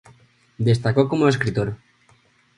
Destacó como escritor.